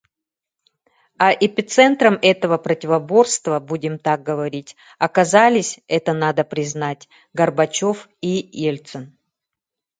А эпицентром этого противоборства, будем так говорить, оказались, это надо признать, Горбачев и Ельцин.